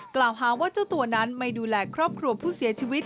กล่าวหาว่าเจ้าตัวนั้นไม่ดูแลครอบครัวผู้เสียชีวิต